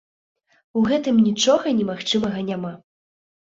У гэтым нічога немагчымага няма!